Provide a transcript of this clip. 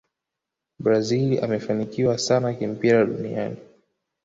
brazil wamefanikiwa sana kimpira duniani